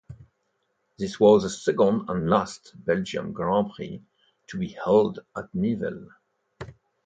This was the second and last Belgian Grand Prix to be held at Nivelles.